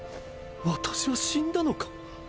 私は死んだのか？